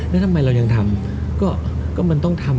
แล้วทำไมเรายังทำก็มันต้องทำ